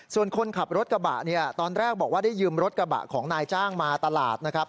ส่วนคนขับรถกระบะเนี่ยตอนแรกบอกว่าได้ยืมรถกระบะของนายจ้างมาตลาดนะครับ